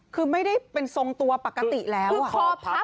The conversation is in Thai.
คือไม่ได้เป็นทรงตัวคือไม่ได้เป็นทรงตัว